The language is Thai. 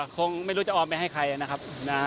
คงไม่รู้จะออมไปให้ใครนะครับ